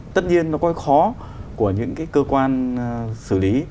tất nhiên nó có cái khó của những cái cơ quan xử lý